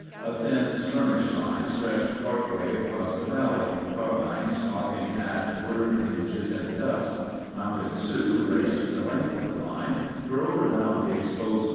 A thin skirmish line stretched part way across the valley, carbines popping at blurred images in the dust. Mounted Sioux raced the length of the line, curled around the exposed left flank, and appeared in the rear.